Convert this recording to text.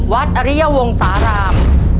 วัดอริยวงศรราม